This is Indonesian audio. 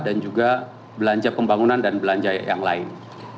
dan juga belanja pembangunan dan belanja yang lain